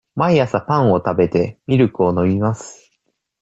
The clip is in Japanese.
毎朝パンを食べて、ミルクを飲みます。